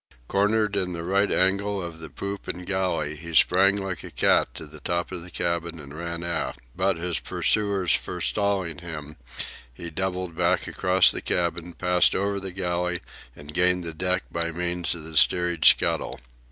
Cornered in the right angle of the poop and galley, he sprang like a cat to the top of the cabin and ran aft. But his pursuers forestalling him, he doubled back across the cabin, passed over the galley, and gained the deck by means of the steerage scuttle.